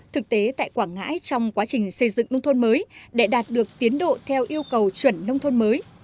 thực tế tại quảng ngãi trong quá trình xây dựng nông thôn mới để đạt được tiến độ theo yêu cầu chuẩn nông thôn mới